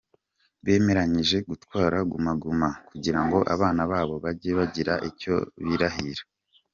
Bemeranyije gutwara Guma Guma kugirango abana babo bajye bagira icyo birahira.